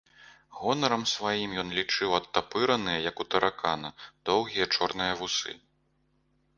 Гонарам сваім ён лічыў адтапыраныя, як у таракана, доўгія чорныя вусы.